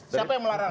siapa yang melarang